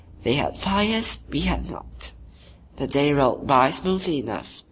They had fires; we had not. The day rolled by smoothly enough.